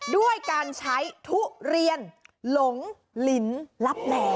ด้วยการใช้ทุเรียนหลงลินลับแหล่